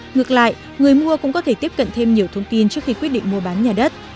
ngược lại người mua cũng có thể tiếp cận thêm nhiều thông tin trước khi quyết định mua bán nhà đất